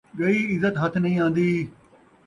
ڳئی عزت ہتھ نئیں آن٘دی